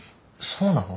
そうなの？